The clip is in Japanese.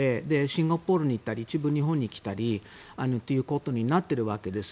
シンガポールに行ったり一部は日本に来たりということになっているわけです。